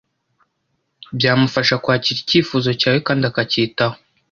byamufasha kwakira icyifuzo cyawe kandi akacyitaho.